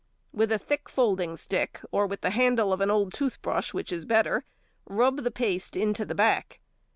With a thick folding stick, or with the handle of an old tooth brush, which is better, rub the paste into the back.